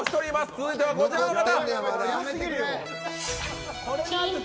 続いてはこちらの方。